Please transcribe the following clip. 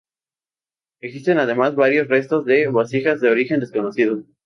Existen además varios restos de vasijas de origen desconocido.